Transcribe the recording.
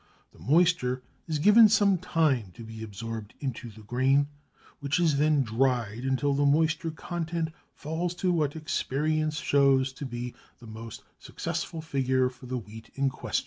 The moisture is given some time to be absorbed into the grain, which is then dried until the moisture content falls to what experience shows to be the most successful figure for the wheat in question.